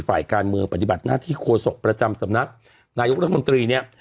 ฝ่ายการเมืองปฏิบัติหน้าที่โฆษกประจำสำนักนายกรัฐมนตรีเนี่ย